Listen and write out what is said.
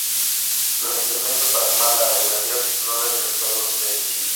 Los experimentos para tomar las radiografías no les resultaron sencillos.